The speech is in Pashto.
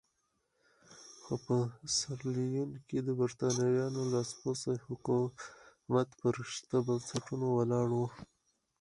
خو په سیریلیون کې د برېټانویانو لاسپوڅی حکومت پر شته بنسټونو ولاړ وو.